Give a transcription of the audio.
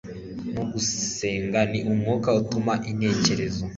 no gusenga ni umwuka utuma intekerezo,